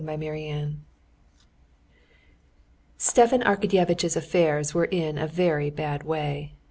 Chapter 17 Stepan Arkadyevitch's affairs were in a very bad way.